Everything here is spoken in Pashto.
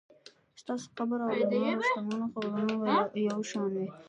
ستاسو قبر او د نورو شتمنو قبرونه به یو شان وي.